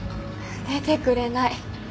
出てくれない。